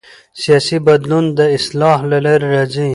سیاسي بدلون د اصلاح له لارې راځي